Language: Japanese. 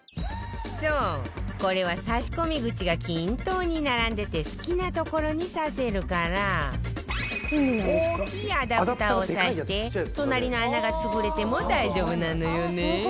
そうこれは差し込み口が均等に並んでて好きな所に差せるから大きいアダプターを差して隣の穴が潰れても大丈夫なのよね